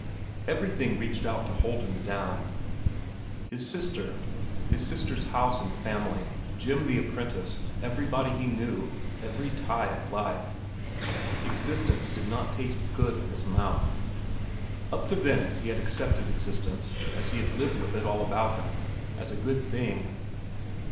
Everything reached out to hold him down—his sister, his sister's house and family, Jim the apprentice, everybody he knew, every tie of life. Existence did not taste good in his mouth. Up to then he had accepted existence, as he had lived it with all about him, as a good thing.